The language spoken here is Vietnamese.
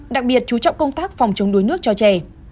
đặc biệt chú trọng công tác phòng chống đuối nước cho trẻ